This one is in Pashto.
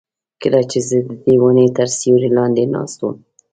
کله چې زه ددې ونې تر سیوري لاندې ناست وم.